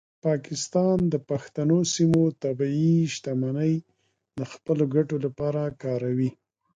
پاکستان د پښتنو سیمو طبیعي شتمنۍ د خپلو ګټو لپاره کاروي.